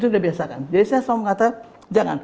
jadi saya selalu ngomong jangan